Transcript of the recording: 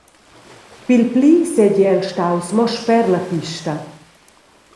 Pil pli seigi el staus mo sper la pista.